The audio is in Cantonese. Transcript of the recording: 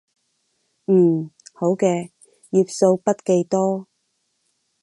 嗯，好嘅，頁數筆記多